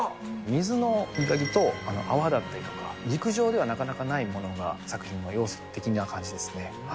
水の揺らぎと、泡だったりとか、陸上ではなかなかないものが、作品の要素的な感じですね。